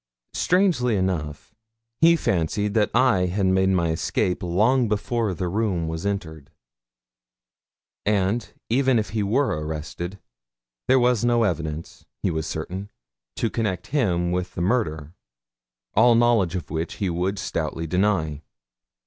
Strangely enough, he fancied that I had made my escape long before the room was entered; and, even if he were arrested, there was no evidence, he was certain, to connect him with the murder, all knowledge of which he would stoutly deny.